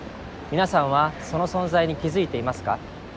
皆さんはその存在に気付いていますか？